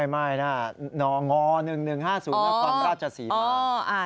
ไม่น่ะนองงว๑๑๕๐แล้วก็ต้องการจัดสีมา